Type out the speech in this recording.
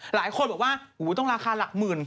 หลายคนบอกว่าต้องราคาหลักหมื่น